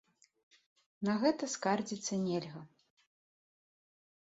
На гэта скардзіцца нельга.